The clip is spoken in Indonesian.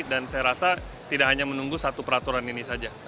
dan saya rasa tidak hanya menunggu satu peraturan ini saja